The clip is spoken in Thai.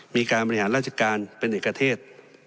มีการบริหารราชการเป็นเอกเทศ